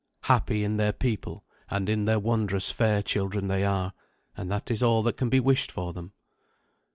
Happy in their people and in their wondrous fair children are they, and that is all that can be wished for them.